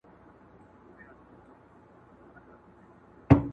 هر اندام یې وو له وېري لړزېدلی!